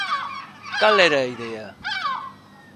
¿Cal era a idea?